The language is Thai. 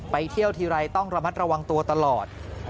เที่ยวทีไรต้องระมัดระวังตัวตลอด